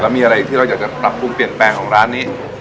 มีอะไรที่เราอยากจะปรับปรุงเปลี่ยนแปลงของร้านนี้